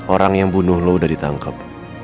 orang yang bunuh lo udah ditangkap